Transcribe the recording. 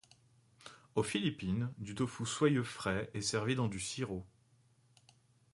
Aux Philippines, du tofu soyeux frais est servi dans du sirop.